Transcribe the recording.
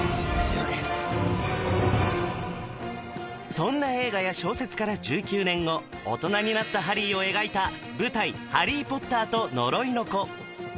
そんな映画や小説から１９年後大人になったハリーを描いた舞台「ハリー・ポッターと呪いの子」